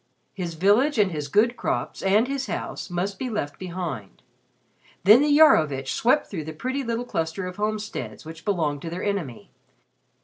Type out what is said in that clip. His village and his good crops and his house must be left behind. Then the Iarovitch swept through the pretty little cluster of homesteads which belonged to their enemy.